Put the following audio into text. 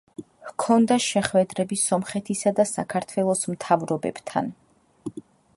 ჰქონდა შეხვედრები სომხეთისა და საქართველოს მთავრობებთან.